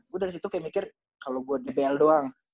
gue dari situ kayak mikir kalau gue dbl doang